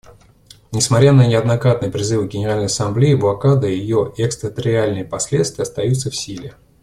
Несмотря на неоднократные призывы Генеральной Ассамблеи, блокада и ее экстерриториальные последствия остаются в силе.